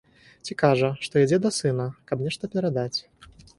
Ці кажа, што ідзе да сына, каб нешта перадаць.